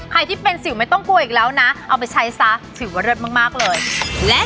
ใครที่เป็นสิวไม่ต้องกลัวอีกแล้วนะเอาไปใช้ซะถือว่าเลิศมากเลยและ